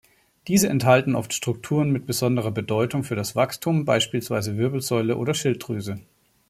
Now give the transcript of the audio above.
Diese enthalten oft Strukturen mit besonderer Bedeutung für das Wachstum, beispielsweise Wirbelsäule oder Schilddrüse.